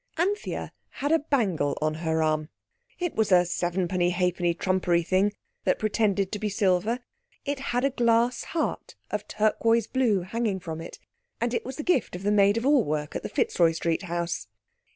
Anthea had a bangle on her arm. It was a sevenpenny halfpenny trumpery thing that pretended to be silver; it had a glass heart of turquoise blue hanging from it, and it was the gift of the maid of all work at the Fitzroy Street house.